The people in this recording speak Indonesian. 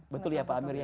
betul ya pak amir ya